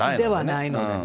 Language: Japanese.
ないのでね。